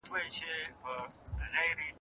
تعلیم د محلي اقتصاد د پیاوړتیا سره مرسته کوي.